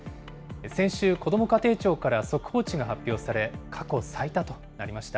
先週、こども家庭庁から速報値が発表され、過去最多となりました。